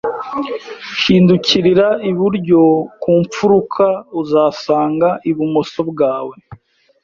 Hindukirira iburyo ku mfuruka, uzasanga ibumoso bwawe